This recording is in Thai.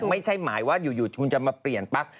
ไม่ใช่หมายว่าอยู่คุณจะมาเปลี่ยนปั๊บ